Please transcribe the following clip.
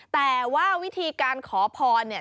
แต่ว่าวิธีการขอพรเนี่ย